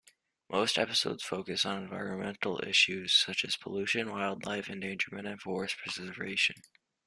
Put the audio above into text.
Most episodes focused on environmental issues such as pollution, wildlife endangerment, and forest preservation.